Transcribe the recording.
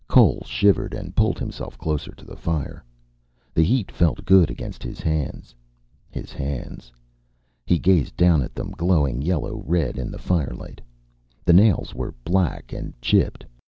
Cole shivered and pulled himself closer to the fire. The heat felt good against his hands. His hands. He gazed down at them, glowing yellow red in the firelight. The nails were black and chipped.